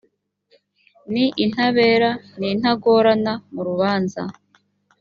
ni intabera n’intagorama murubanza.